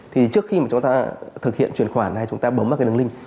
thì trước khi mà chúng ta thực hiện chuyển khoản hay chúng ta bấm vào cái đường link